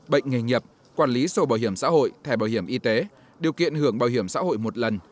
bệnh nghề nghiệp quản lý sổ bảo hiểm xã hội thẻ bảo hiểm y tế điều kiện hưởng bảo hiểm xã hội một lần